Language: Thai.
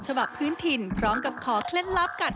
ฉบับพื้นถิ่นพร้อมกับขอเคล็ดลับกัน